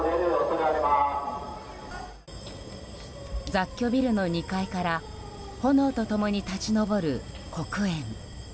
雑居ビルの２階から炎と共に立ち上る黒煙。